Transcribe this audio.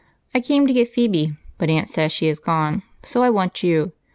I came to get Phebe, but aunt says she is gone, so I want you.